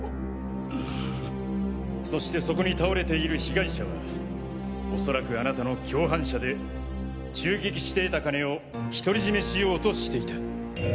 そしてそこに倒れている被害者はおそらくあなたの共犯者で襲撃して獲た金を一人占めしようとしていた。